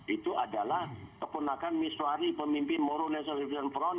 itu adalah kepunakan miswari pemimpin moro national revolution